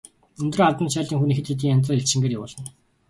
Өндөр албан тушаалын хүнийг хэд хэдэн янзаар элчингээр явуулна.